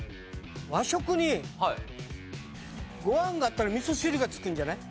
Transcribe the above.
和食にご飯があったらみそ汁が付くんじゃない？